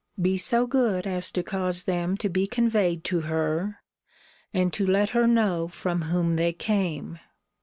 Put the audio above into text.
Be so good as to cause them to be conveyed to her, and to let her know from whom they came.